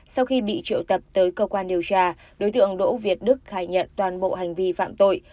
sau khi bị triệu tập tới cơ quan điều tra đối tượng đỗ việt đức khai nhận toàn bộ hành vi phạm tội